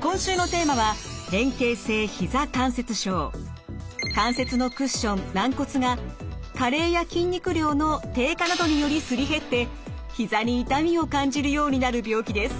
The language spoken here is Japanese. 今週のテーマは関節のクッション軟骨が加齢や筋肉量の低下などによりすり減ってひざに痛みを感じるようになる病気です。